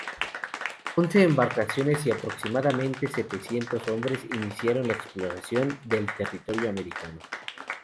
Once embarcaciones y aproximadamente setecientos hombres iniciaron la exploración.del territorio americano.